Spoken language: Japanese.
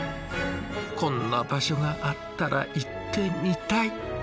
こんな場所があったら行ってみたい！